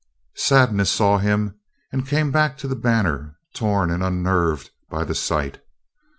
Sadness saw him and came back to the Banner, torn and unnerved by the sight.